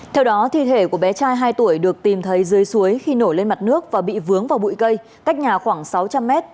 theo đó thi thể của bé trai hai tuổi được tìm thấy dưới suối khi nổi lên mặt nước và bị vướng vào bụi cây cách nhà khoảng sáu trăm linh m